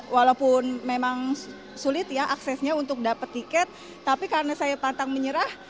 walaupun memang sulit ya aksesnya untuk dapat tiket tapi karena saya pantang menyerah